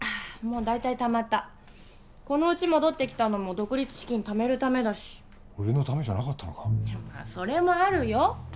もう大体貯まったこのうち戻ってきたのも独立資金貯めるためだし俺のためじゃなかったのかまあそれもあるよ